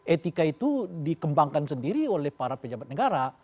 etika itu dikembangkan sendiri oleh para pejabat negara